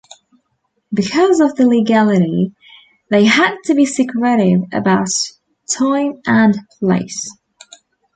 Because of the legality, they had to be secretive about time and place.